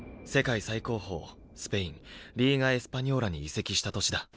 世界最高峰スペインリーガ・エスパニョーラに移籍した年だ。